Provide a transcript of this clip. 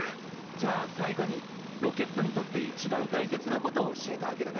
じゃあ最後にロケットにとって一番大切なことを教えてあげるね。